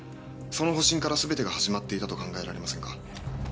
その保身から全てが始まっていたと考えられませんか？